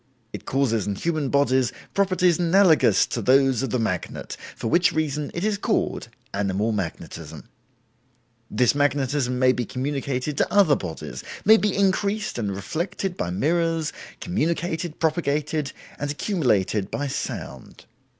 It causes in human bodies properties analogous to those of the magnet, for which reason it is called 'Animal Magnetism'. This magnetism may be communicated to other bodies, may be increased and reflected by mirrors, communicated, propagated, and accumulated, by sound.